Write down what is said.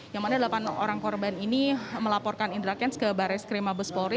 yang mana delapan orang korban ini melaporkan indra kents ke baris krim mabes polri